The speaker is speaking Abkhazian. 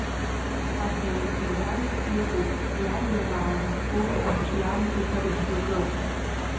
Аха урҭ рнаҩс иҟоуп иажәамаанақәоу арҿиамҭақәа жәпакы.